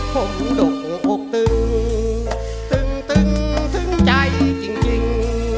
ผมดกอกตึงตึงถึงใจจริง